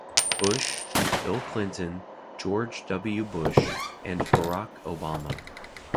Bush, Bill Clinton, George W. Bush, and Barack Obama.